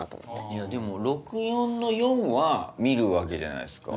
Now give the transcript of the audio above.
いやでも６：４の４は見るわけじゃないですか。